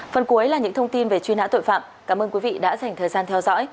phần cuối là những thông tin về truy nã tội phạm cảm ơn quý vị đã dành thời gian theo dõi